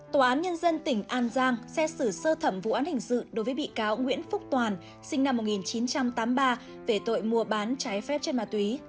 tòa án nhân dân tỉnh an giang xét xử sơ thẩm vụ án hình sự đối với bị cáo nguyễn phúc toàn sinh năm một nghìn chín trăm tám mươi ba về tội mua bán trái phép trên ma túy